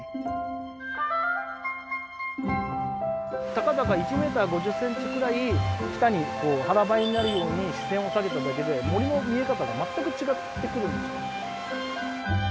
たかだか１メートル５０センチくらい下に腹ばいになるように視線を下げただけで森の見え方が全く違ってくるんですよ。